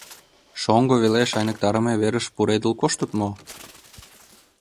— Шоҥго велеш айныктарыме верыш пуредыл коштыт мо?